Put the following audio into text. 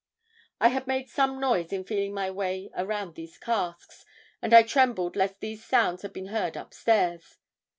"I had made some noise in feeling my way around these casks, and I trembled lest these sounds had been heard upstairs!